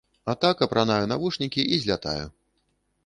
А так апранаю навушнікі і злятаю.